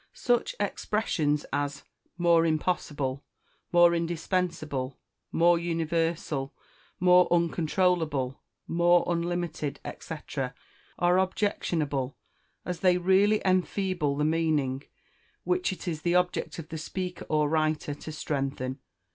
Such expressions as more impossible, more indispensable, more universal, more uncontrollable, more unlimited, &c., are objectionable, as they really enfeeble the meaning which it is the object of the speaker or writer to strengthen.